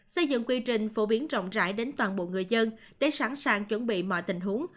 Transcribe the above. xây dựng quy trình phổ biến rộng rãi đến toàn bộ người dân để sẵn sàng chuẩn bị mọi tình huống